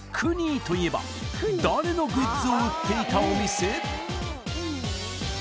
「ＫＵＮＹ」といえば誰のグッズを売っていたお店？